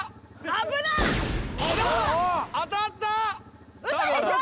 ウソでしょ？